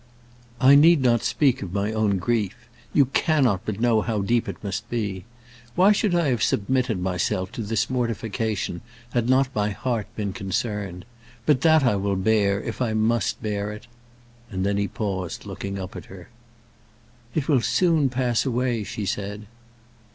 "I need not speak of my own grief. You cannot but know how deep it must be. Why should I have submitted myself to this mortification had not my heart been concerned? But that I will bear, if I must bear it " And then he paused, looking up at her. "It will soon pass away," she said.